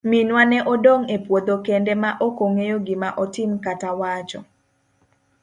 Minwa ne odong' e puodho kende ma okong'eyo gima otim kata wacho.